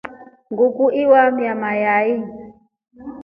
Nguku ewamia mayai.